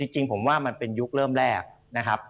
จริงผมว่ามันเป็นยุคเริ่มแรกนะครับ